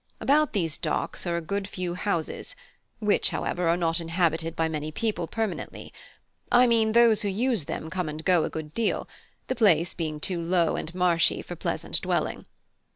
About these Docks are a good few houses, which, however, are not inhabited by many people permanently; I mean, those who use them come and go a good deal, the place being too low and marshy for pleasant dwelling.